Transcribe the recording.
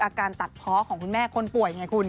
อาการตัดเพาะของคุณแม่คนป่วยไงคุณ